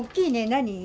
何？